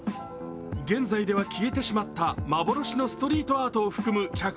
現在では消えてしまった幻のストリートアートを含む